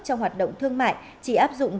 trong hoạt động thương mại chỉ áp dụng